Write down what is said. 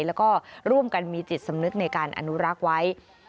แล้วก็ร่วมกันมีจิตสำนึกในการอนุรักษ์ไว้